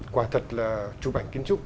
quả thật là trụ bảnh kiến trúc